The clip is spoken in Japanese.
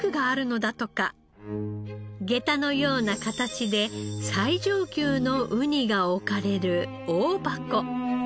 げたのような形で最上級のウニが置かれる大箱。